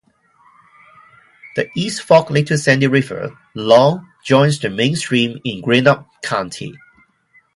The East Fork Little Sandy River, long, joins the main stream in Greenup County.